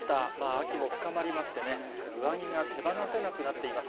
秋も深まりましてね、上着が手放せなくなっています。